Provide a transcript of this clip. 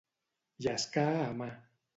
Llescar a mà.